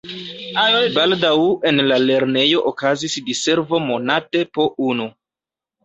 Baldaŭ en la lernejo okazis diservo monate po unu.